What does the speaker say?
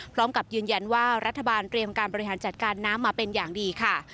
พร้อมกับยืนยันว่ารัฐบาลเตรียมการบริหารจัดการน้ำมาเป็นอย่างดีค่ะ